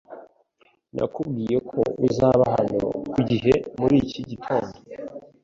Nakubwiye ko uzaba hano ku gihe muri iki gitondo.